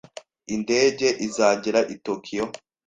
Indege izagera i Tokiyo?